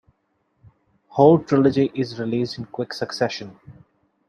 Whole trilogy is released in quick succession.